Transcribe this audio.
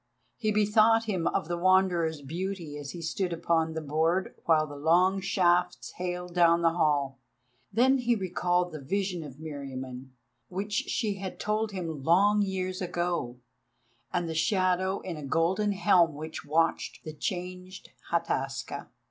He bethought him of the Wanderer's beauty as he stood upon the board while the long shafts hailed down the hall. Then he recalled the vision of Meriamun, which she had told him long years ago, and the shadow in a golden helm which watched the changed Hataska.